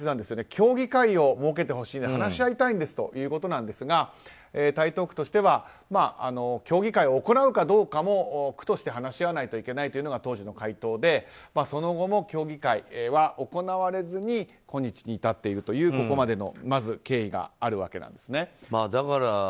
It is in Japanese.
協議会を設けてほしい話し合いたいんですということなんですが台東区としては協議会を行うかどうかも区として話し合わないといけないのが当時の回答でその後も協議会は行われずに今日に至っているというここまでの経緯があるわけです。